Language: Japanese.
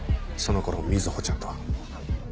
その頃瑞穂ちゃんとは？